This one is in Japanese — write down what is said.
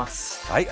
はい。